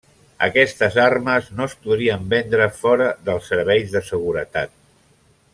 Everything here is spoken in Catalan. Aquestes armes no es podrien vendre fora dels serveis de seguretat.